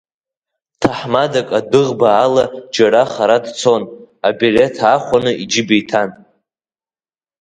Ҭаҳмадак адәыӷба ала џьара хара дцон, аблеҭ аахәан иџьыба иҭан.